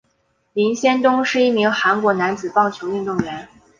林仙东是一名韩国男子棒球运动员。